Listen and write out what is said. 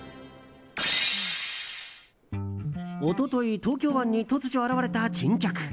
一昨日東京湾に突如現れた珍客。